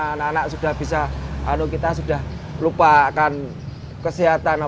anak anak sudah bisa lupakan kesehatan